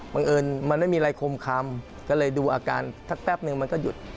เอิญมันไม่มีอะไรคมคำก็เลยดูอาการสักแป๊บนึงมันก็หยุด